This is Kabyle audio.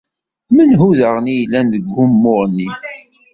Menhu daɣen i yellan deg wumuɣ-nni?